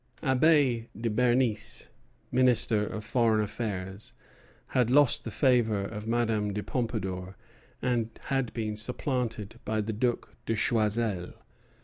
Abbé de Bernis, Minister of Foreign Affairs, had lost the favor of Madame de Pompadour, and had been supplanted by the Duc de Choiseul.